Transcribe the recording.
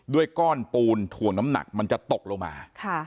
ก้อนปูนถ่วงน้ำหนักมันจะตกลงมา